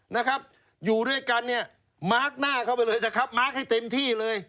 นะครับอยู่ด้วยกันเนี่ยมาร์คหน้าเข้าไปเลยนะครับมาร์คให้เต็มที่เลย